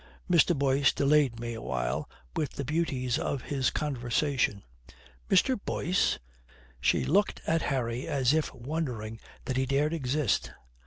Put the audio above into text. Mr. Boyce delayed me awhile with the beauties of his conversation." "Mr. Boyce?" she looked at Harry as if wondering that he dared exist.